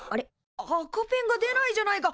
赤ペンが出ないじゃないか。